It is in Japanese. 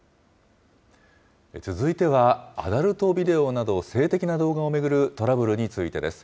続いてはアダルトビデオなど、性的な動画を巡るトラブルについてです。